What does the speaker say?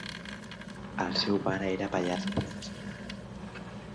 El seu pare era pallasso professional.